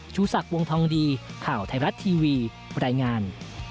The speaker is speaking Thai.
ชูศักดิ์วงทองดีข่าวไทยรัฐทีวีรายงาน